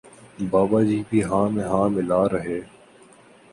بابا جی بھی ہاں میں ہاں ملا رہے